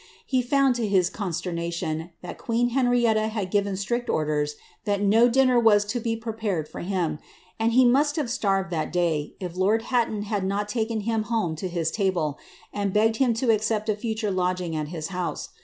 He found, to his constematio queen Henrietta had given strict orders that no dinner was to 1 pared for him, and he must have starved that day, if lord Hattc not uken him home to his table, and begged him to accept a lodging at his house.